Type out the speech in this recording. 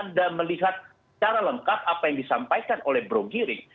anda melihat secara lengkap apa yang disampaikan oleh bro giring